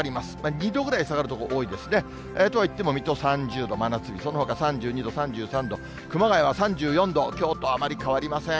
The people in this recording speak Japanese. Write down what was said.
２度ぐらい下がる所多いですね。とは言っても水戸３０度、真夏日、そのほか３２度、３３度、熊谷は３４度、きょうとあまり変わりません。